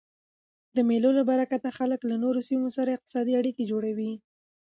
د مېلو له برکته خلک له نورو سیمو سره اقتصادي اړیکي جوړوي.